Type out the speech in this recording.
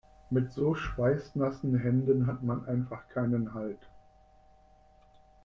Mit so schweißnassen Händen hat man einfach keinen Halt.